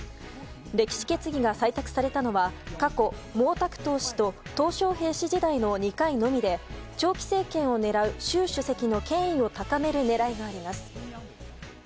歴史決議が採択されたのは過去、毛沢東氏とトウ・ショウヘイ氏時代の２回のみで長期政権を狙う習主席の権威を高める狙いがあります。